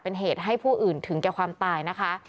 เป็นเหตุให้ผู้อื่นถึงเกียรติภัณฑ์ความตายนะคะ